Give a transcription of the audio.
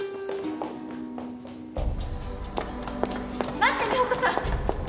待って美保子さん！